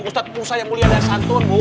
ustadz musa yang mulia dan santun